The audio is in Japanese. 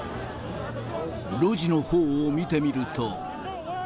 路地のほうを見てみると。